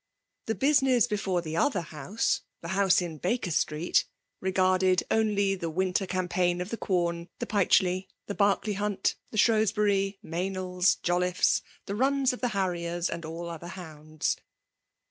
The business before the other House,— the house in Baker Street,— regarded only the winter campaign of the Quom — ^the Pytcheley— the Berkley Hunt— the Shrews bury— MeynelFs — JoQifie's — the runs of the harriers — and all other hounds.